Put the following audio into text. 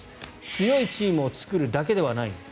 強いチームを作るだけではないんだと。